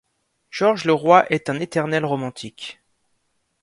Georges le Roi est un éternel romantique.